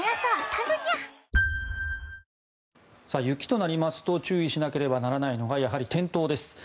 雪となりますと注意しなければならないのはやはり転倒です。